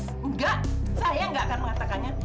tidak saya tidak akan mengatakannya